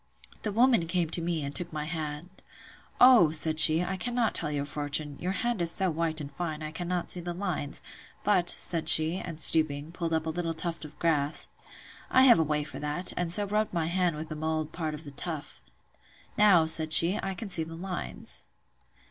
The woman came to me, and took my hand. O! said she, I cannot tell your fortune: your hand is so white and fine, I cannot see the lines: but, said she, and, stooping, pulled up a little tuft of grass, I have a way for that; and so rubbed my hand with the mould part of the tuft: Now, said she, I can see the lines.